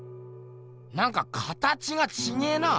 なんか形がちげえな。